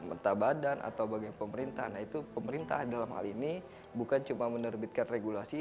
mentah badan atau bagian pemerintah nah itu pemerintah dalam hal ini bukan cuma menerbitkan regulasi